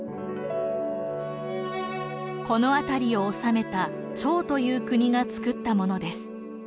この辺りを治めた趙という国がつくったものです。